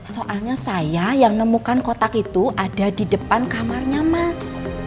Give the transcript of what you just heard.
soalnya saya yang nemukan kotak itu ada di depan kamarnya mas